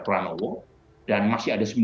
pranowo dan masih ada